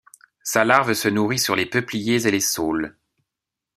Sa larve se nourrit sur les peupliers et les saules.